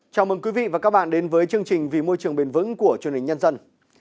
chào mừng quý vị và các bạn đến với chương trình vì môi trường bền vững của truyền hình nhân dân